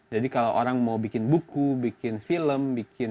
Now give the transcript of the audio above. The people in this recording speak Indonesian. jadi kalau orang mau bikin buku bikin film bikin